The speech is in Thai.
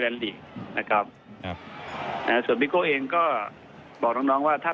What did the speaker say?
แวนดีนะครับนะครับอ่าส่วนพิโกะเองก็บอกน้องน้องว่าถ้า